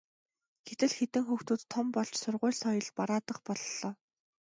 гэтэл хэдэн хүүхдүүд том болж сургууль соёл бараадах боллоо.